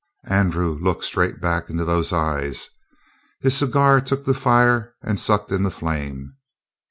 Andrew looked straight back into those eyes. His cigar took the fire and sucked in the flame.